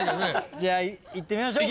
じゃあいってみましょうか。